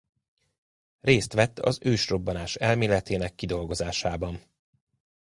Részt vett az ősrobbanás elméletének kidolgozásában.